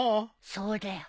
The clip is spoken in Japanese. そうだよ。